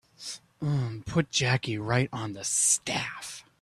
Put Jackie right on the staff.